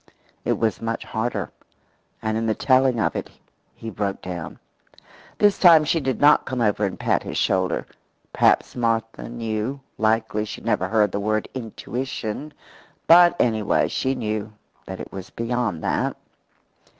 It was much harder; and in the telling of it he broke down. This time she did not come over and pat his shoulder. Perhaps Martha knew likely she had never heard the word intuition, but, anyway, she knew that it was beyond that.